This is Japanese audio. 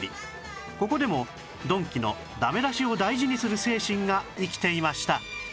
ここでもドンキのダメ出しを大事にする精神が生きていました